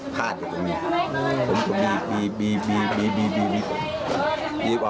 แก่แกวงหัวนิดเดียว